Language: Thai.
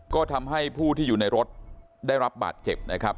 ก็ทำให้ผู้ที่อยู่ในรถได้รับบาดเจ็บนะครับ